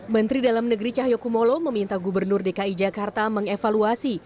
menteri dalam negeri cahyokumolo meminta gubernur dki jakarta mengevaluasi